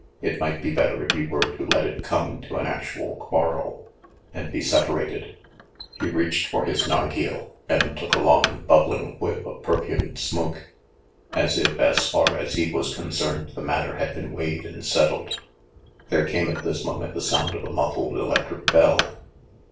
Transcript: It might be better if you were to let it come to an actual quarrel, and be sepa rated." He reached for his narghile, and took a long bubbling whiff of perfumed smoke, as if, as far as he 44 THE MACDOUGAL STREET AFFAIR 45 was concerned, the matter had been weighed and set tled. There came at this moment the sound of a muffled electric bell.